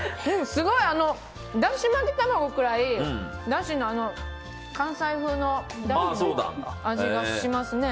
すごいだし巻き卵くらい関西風のだしの味がしますね。